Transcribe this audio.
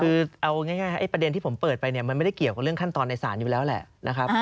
คือเอาง่ายประเด็นที่ผมเปิดไปเนี่ยมันไม่ได้เกี่ยวกับเรื่องขั้นตอนในศาลอยู่แล้วแหละนะครับ